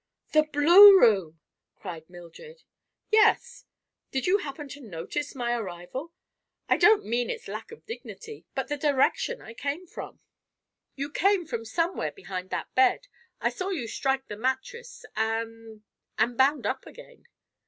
"The blue room!" cried Mildred. "Yes. Did you happen to notice my arrival? I don't mean its lack of dignity, but the direction I came from?" "You came from somewhere behind that bed. I saw you strike the mattress and—and bound up again."